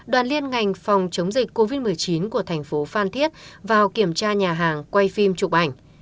đoàn liên ngành phòng chống dịch covid một mươi chín của thành phố phan thiết vào kiểm tra nhà hàng quay phim chụp ảnh